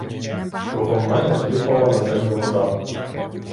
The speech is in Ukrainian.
Кругом мене хлюпала на землю вода.